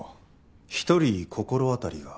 １人心当たりが。